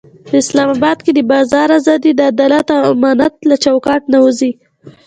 په اسلام کې د بازار ازادي د عدل او امانت له چوکاټه نه وځي.